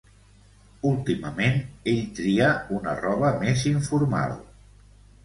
Últimament, ell tria una roba més informal.